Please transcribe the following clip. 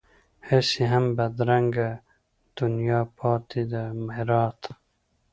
هسې هم بدرنګه دنیا پاتې ده میراته